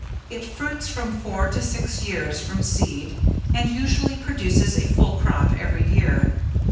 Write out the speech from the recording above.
It fruits from four to six years from seed and usually produces a full crop every year.